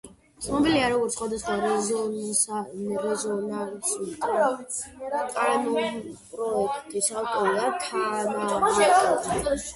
ცნობილია როგორც სხვადასხვა რეზონანსული კანონპროექტის ავტორი ან თანაავტორი.